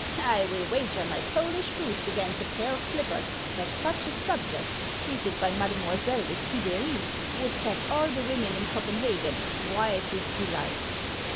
I will wager my Polish boots against a pair of slippers that such a subject, treated by Mademoiselle de Scude'ry, would set all the women in Copenhagen wild with delight."